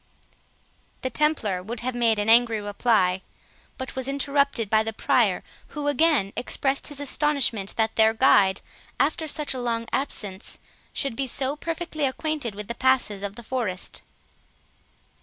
The Templar would have made an angry reply, but was interrupted by the Prior, who again expressed his astonishment, that their guide, after such long absence, should be so perfectly acquainted with the passes of the forest.